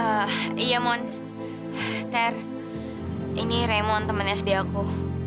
eh iya mon ter ini raymond temen sd aku